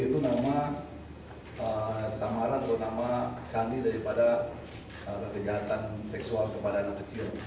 ini ada namanya tadi loli jenny itu nama samaran nama sani daripada kejahatan seksual kepada anak kecil